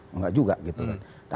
enggak juga gitu kan